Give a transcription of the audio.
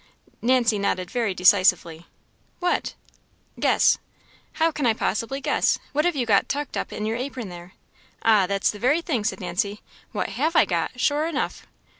Nancy nodded very decisively. "What?" "Guess." "How can I possibly guess? What have you got tucked up in your apron there?" "Ah! that's the very thing," said Nancy. "What have I got, sure enough?"